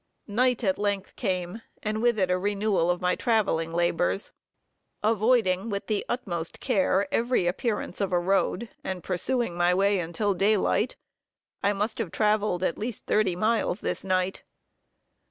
Night at length came, and with it a renewal of my traveling labors. Avoiding with the utmost care, every appearance of a road, and pursuing my way until daylight, I must have traveled at least thirty miles this night.